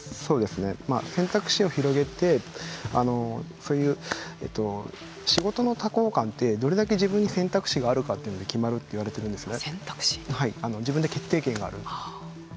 選択肢を広げて仕事の多幸感ってどれだけ自分に選択肢があるかというのが決まるといわれているんですね。